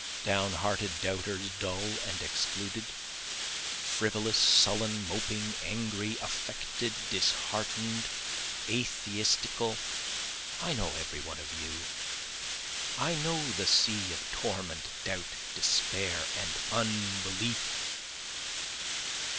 Down hearted doubters dull and excluded, Frivolous, sullen, moping, angry, affected, dishearten'd, atheistical, I know every one of you, I know the sea of torment, doubt, despair and unbelief.